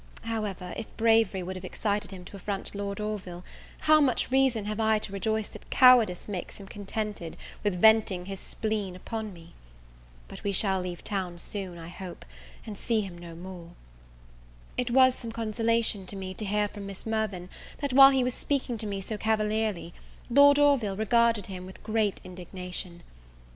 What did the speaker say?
However, if bravery would have excited him to affront Lord Orville, how much reason have I to rejoice that cowardice makes him contended with venting his spleen upon me! But we shall leave town soon, and, I hope, see him no more. It was some consolation to me to hear from Miss Mirvan, that, while he was speaking to me so cavalierly, Lord Orville regarded him with great indignation.